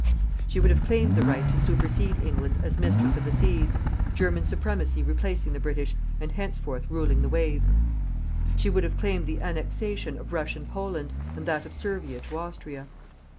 She would have claimed the right to supersede England as mistress of the seas, German supremacy replacing the British and henceforth ruling the waves. She would have claimed the annexation of Russian Poland, and that of Servia to Austria.